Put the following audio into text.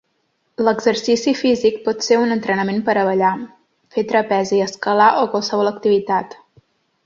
L'exercici físic pot ser un entrenament per a ballar, fer trapezi, escalar o qualsevol activitat.